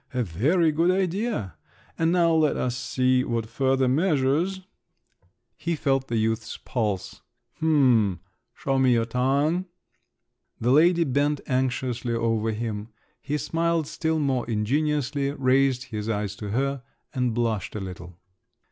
A very good idea … and now let us see what further measures …" He felt the youth's pulse. "H'm! show me your tongue!" The lady bent anxiously over him. He smiled still more ingenuously, raised his eyes to her, and blushed a little.